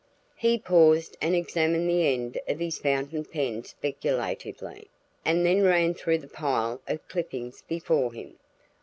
He paused and examined the end of his fountain pen speculatively, and then ran through the pile of clippings before him.